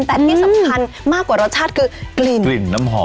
แต่ที่สำคัญมากกว่ารสชาติคือกลิ่นกลิ่นน้ำหอม